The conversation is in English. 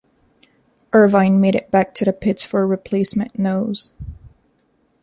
Irvine made it back to the pits for a replacement nose.